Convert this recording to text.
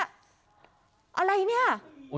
อะไรเนี่ย